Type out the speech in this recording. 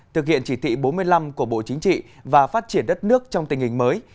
thực hiện chỉ thị bốn mươi năm của bộ chính trị và phát triển đất nước trong tình hình mới